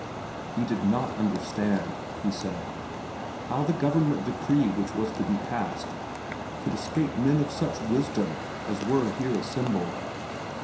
He did not understand, he said, how the governmental decree which was to be passed could escape men of such wisdom as were here assembled.